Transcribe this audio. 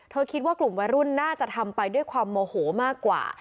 คิดว่ากลุ่มวัยรุ่นน่าจะทำไปด้วยความโมโหมากกว่า